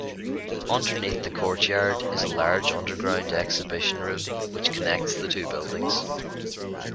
Underneath the courtyard is a large underground exhibition room which connects the two buildings.